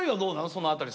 その辺り。